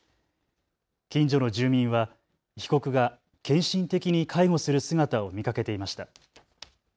近所の住民は被告が献身的に介護する姿を見かけていました。